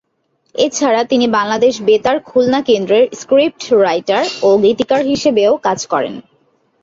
এ ছাড়া তিনি বাংলাদেশ বেতার খুলনা কেন্দ্রের স্ক্রিপ্ট রাইটার ও গীতিকার হিসেবেও কাজ করেন।